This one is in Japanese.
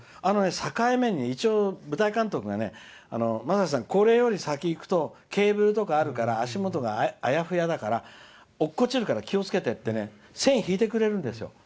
境目に舞台監督がまさしさん、この先にいくとケーブルとかあるから足元が、あやふやだから落ちるから気をつけてって線を引いてくれるんです。